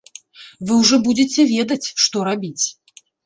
Вы ўжо будзеце ведаць, што рабіць.